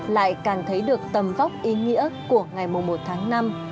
lại càng thấy được tầm vóc ý nghĩa của ngày một tháng năm